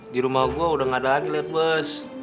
di rumah gue udah gak ada lagi lihat bus